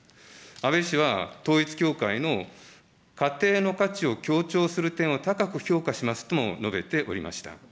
安倍氏は統一教会の家庭の価値を強調する点を高く評価しますとも述べておりました。